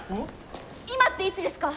今っていつですか？